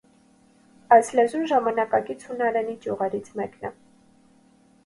Այս լեզուն ժամանակակից հունարենի ճյուղերից մեկն է։